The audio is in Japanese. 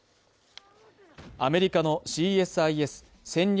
アメリカのＣＳＩＳ＝戦略